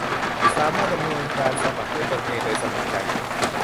สามารถดำเนินการสมัครด้วยตนเองโดยสมัครใจ